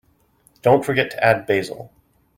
Don't forget to add Basil.